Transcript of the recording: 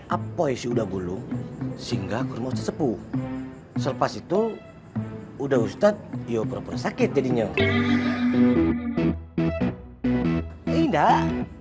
apa isi udah bulu singgah kurma sepuh selepas itu udah ustadz yo perak sakit jadinya indah